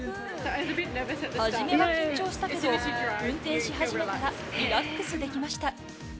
初めは緊張したけど、運転し始めたら、リラックスできました。